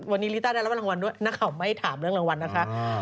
วันนี้ลิต้าได้รับรางวัลด้วยนักข่าวไม่ถามเรื่องรางวัลนะคะ